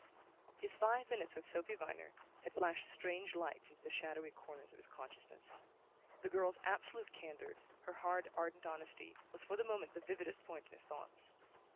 His five minutes with Sophy Viner had flashed strange lights into the shadowy corners of his consciousness. The girl's absolute candour, her hard ardent honesty, was for the moment the vividest point in his thoughts.